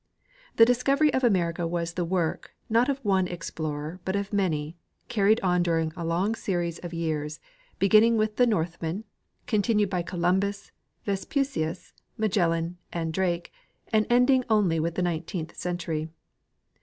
The discovery of America was the work, not of one explorer hut of many, carried on during a long series of years, beginning with the Northmen, continued by Columbus, VesiDUcius, Magel lan and Drake, and ending only with the nineteenth century.